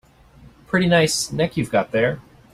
Pretty nice neck you've got there.